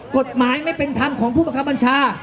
กฎหมายไม่เป็นธรรมของผู้บังคับบัญชา